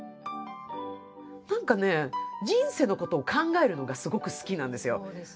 何かね人生のことを考えるのがすごく好きなんですよ。